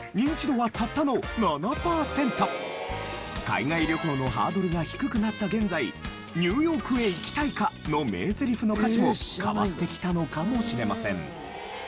海外旅行のハードルが低くなった現在「ニューヨークへ行きたいか！？」の名ゼリフの価値も変わってきたのかもしれません。